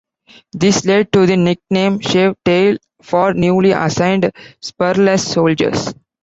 This led to the nickname "Shave Tail" for newly assigned, spur-less Soldiers.